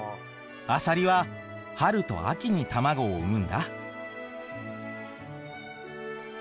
アサリは春と秋に卵を産むんだ。